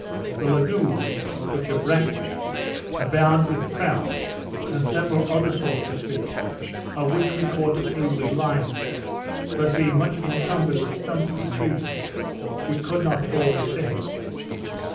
The lagoons (which are brackish) abound with trout, and several other sorts of fish, of which we caught a few with lines, but being much encumbered with stumps of trees, we could not haul the seine.